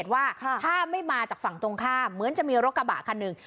ว่าถ้าไม่มาจากฝั่งตรงข้ามเหมือนจะมีรถกระบะคันหนึ่ง